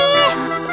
eh cepetan manggil